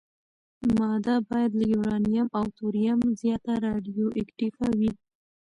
ماده باید له یورانیم او توریم زیاته راډیواکټیفه وي.